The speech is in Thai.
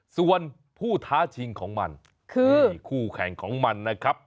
ส่วนผู้ท้าชิงของมันคือคู่แข่งของมันนะครับ